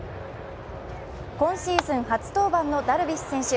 今シーズン初登板のダルビッシュ選手